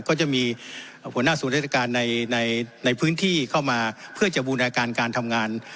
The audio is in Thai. ก็จะมีหัวหน้าศูนย์ราชการในพื้นที่เข้ามาเพื่อจะบูรณาการการทำงาน